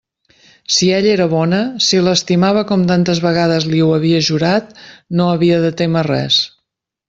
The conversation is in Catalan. Si ella era bona, si l'estimava com tantes vegades li ho havia jurat, no havia de témer res.